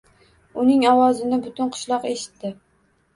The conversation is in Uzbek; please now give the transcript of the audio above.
Uning ovozini butun qishloq eshitdi.